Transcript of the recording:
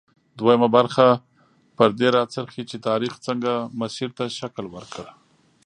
دویمه برخه پر دې راڅرخي چې تاریخ څنګه مسیر ته شکل ورکړ.